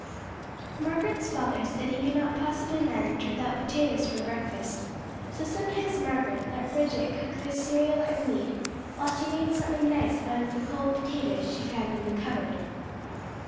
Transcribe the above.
Margaret's father said he could not possibly manage without potatoes for breakfast, so sometimes Margaret let Bridget cook the cereal and meat, while she made something nice out of the cold potatoes she found in the cupboard.